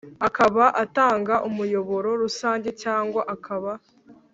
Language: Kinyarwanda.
Akaba atanga umuyoboro rusange cyangwa akaba